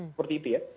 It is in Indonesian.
seperti itu ya